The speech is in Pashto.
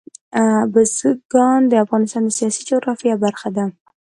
بزګان د افغانستان د سیاسي جغرافیه برخه ده.